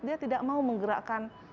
dia tidak mau menggerakkan